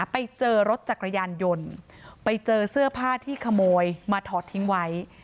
ไปเจอรถจักรยานยนต์ไปเจอเสื้อผ้าที่ขโมยมาถอดทิ้งไว้